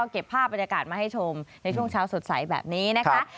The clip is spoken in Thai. เก็บภาพบรรยากาศมาให้ชมในช่วงเช้าสดใสแบบนี้นะคะ